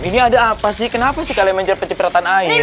ini ada apa sih kenapa sih kalian menjerat penceprotan air